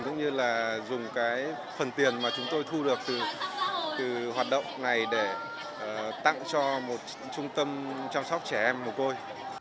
cũng như là dùng cái phần tiền mà chúng tôi thu được từ hoạt động này để tặng cho một trung tâm chăm sóc trẻ em mồ côi